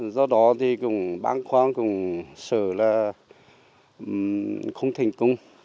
do đó thì cũng bán khoáng cũng sợ là không thành công